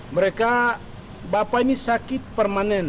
mereka bapak ini sakit permanen